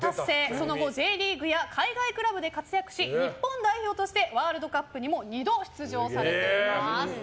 その後Ｊリーグや海外クラブで活躍し日本代表としてワールドカップに２度出場されています。